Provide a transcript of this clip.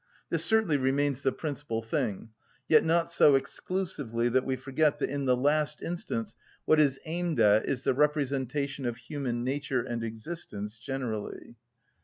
This certainly remains the principal thing, yet not so exclusively that we forget that in the last instance what is aimed at is the representation of human nature and existence generally.